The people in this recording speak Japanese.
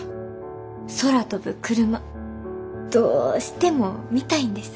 空飛ぶクルマどうしても見たいんです。